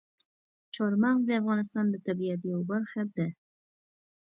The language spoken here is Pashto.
چار مغز د افغانستان د طبیعت یوه برخه ده.